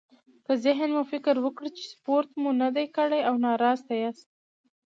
که ذهن مو فکر وکړي چې سپورت مو نه دی کړی او ناراسته ياست.